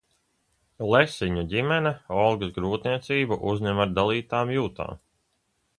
Lesiņu ģimene Olgas grūtniecību uzņem ar dalītām jūtām.